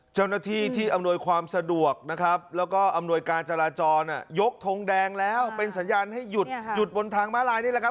เจ้าหน้าที่ที่อำนวยความสะดวกนะครับแล้วก็อำนวยการจราจรยกทงแดงแล้วเป็นสัญญาณให้หยุดหยุดบนทางม้าลายนี่แหละครับ